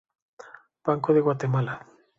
Banco de Guatemala